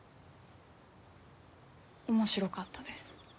面白かったです。